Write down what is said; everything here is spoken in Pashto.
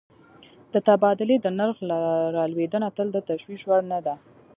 د تبادلې د نرخ رالوېدنه تل د تشویش وړ نه ده.